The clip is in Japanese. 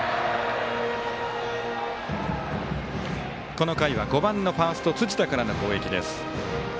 この回は５番のファースト、辻田からの攻撃です。